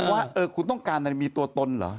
ว่าคุณต้องการมีตัวตนหรอ